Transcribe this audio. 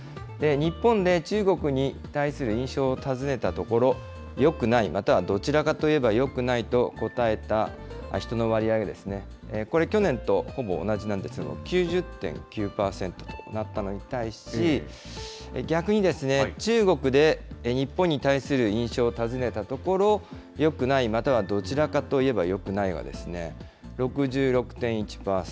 日本で中国に対する印象を尋ねたところ、よくない、または、どちらかといえばよくないと答えた人の割合が、これ、去年とほぼ同じなんですけど、９０．９％となったのに対し、逆に中国で日本に対する印象を尋ねたところ、よくない、または、どちらかといえばよくないは６６．１％。